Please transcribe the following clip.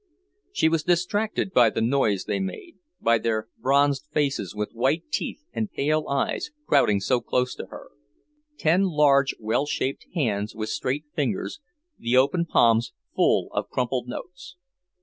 She was distracted by the noise they made, by their bronzed faces with white teeth and pale eyes, crowding so close to her. Ten large, well shaped hands with straight fingers, the open palms full of crumpled notes....